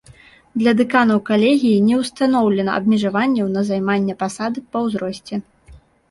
Для дэканаў калегіі не ўстаноўлена абмежаванняў на займанне пасады па ўзросце.